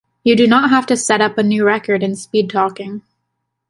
You do not have to set up a new record in speed talking.